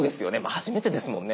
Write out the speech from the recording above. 初めてですもんね。